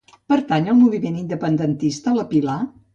Pertany al moviment independentista la Pilar?